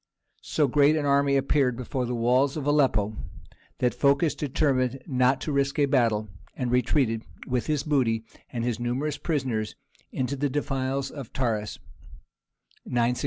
So great an army appeared before the walls of Aleppo that Phocas determined not to risk a battle, and retreated with his booty and his numerous prisoners into the defiles of Taurus [962 A.D.].